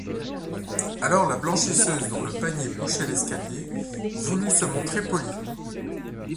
Alors, la blanchisseuse, dont le panier bouchait l'escalier, voulut se montrer polie.